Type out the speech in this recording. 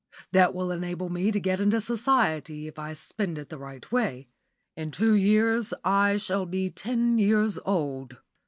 That will enable me to get into society if I spend it the right way. In two years I shall be ten years old.